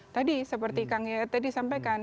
tadi seperti kang yayat tadi sampaikan